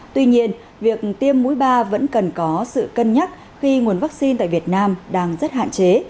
tuy nhiên việc tiêm mũi ba vẫn cần có sự cân nhắc khi nguồn vaccine tại việt nam đang rất hạn chế